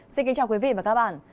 xin kính chào quý vị và các bạn